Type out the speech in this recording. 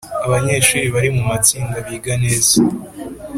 abanyeshuri bari mu matsinda biga neza